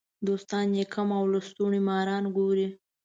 دوستان یې کم او لستوڼي ماران ګوري.